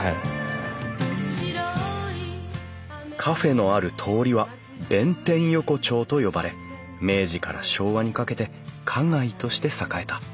カフェのある通りは弁天横丁と呼ばれ明治から昭和にかけて花街として栄えた。